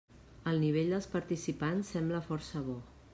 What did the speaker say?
El nivell dels participants sembla força bo.